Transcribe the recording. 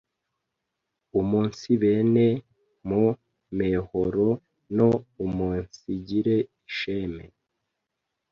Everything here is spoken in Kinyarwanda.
umunsibene mu mehoro no umunsigire isheme,